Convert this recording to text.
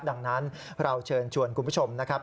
ดังนั้นเราเชิญชวนคุณผู้ชมนะครับ